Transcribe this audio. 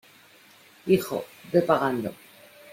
hijo, ve pagando...